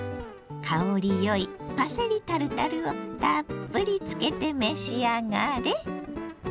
香りよいパセリタルタルをたっぷりつけて召し上がれ。